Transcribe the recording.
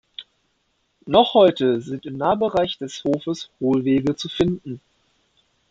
Noch heute sind im Nahbereich des Hofes Hohlwege zu finden.